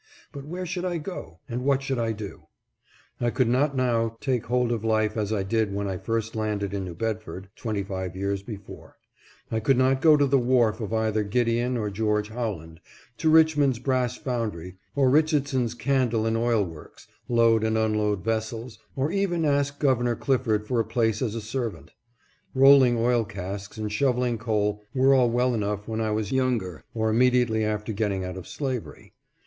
But where should I go, and what should I do ? I could not now take hold of life as I did when I first landed in New Bedford, twenty five years before ; I could not go to the wharf of either Gideon or George Howland, to Rich mond's brass foundry, or Richetson's candle and oil works, load and unload vessels, or even ask Governor Clifford for a place as a servant. Rolling oil casks and shoveling coal were all well enough when I was youngerr immediately after getting out of slavery.